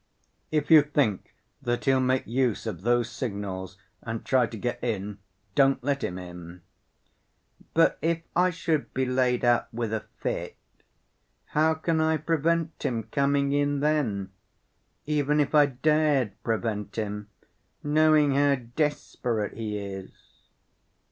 "If you think that he'll make use of those signals and try to get in, don't let him in." "But if I should be laid up with a fit, how can I prevent him coming in then, even if I dared prevent him, knowing how desperate he is?"